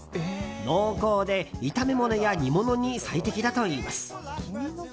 濃厚で、炒め物や煮物に最適だといいます。